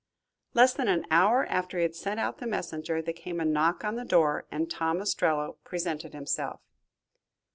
Less than an hour after he had sent out the messenger, there came a knock on the door and Tom Ostrello presented himself.